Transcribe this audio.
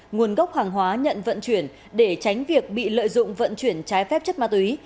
nguồn gốc hàng hóa nhận vận chuyển để tránh việc bị lợi dụng vận chuyển trái phép chất ma túy